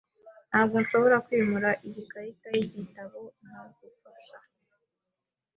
Ntabwo nshobora kwimura iyi karita yigitabo ntagufasha.